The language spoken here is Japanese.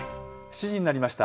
７時になりました。